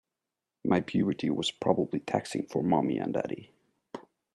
My puberty was probably taxing for mommy and daddy.